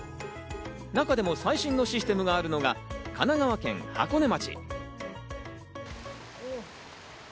中でも最新のシステムがあるのが神奈川県箱根町。